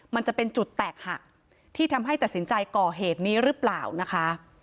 มันจะเป็นจุดแตกหักที่ทำให้ตัดสินใจก่อเหตุนี้หรือเปล่านะคะ